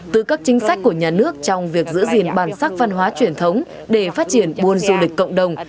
từ các chính sách của nhà nước trong việc giữ gìn bản sắc văn hóa truyền thống để phát triển buôn du lịch cộng đồng